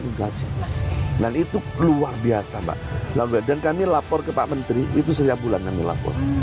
tugasnya dan itu luar biasa mbak dan kami lapor ke pak menteri itu setiap bulan kami lapor